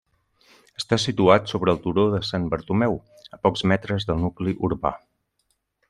Està situat sobre el turó de Sant Bartomeu, a pocs metres del nucli urbà.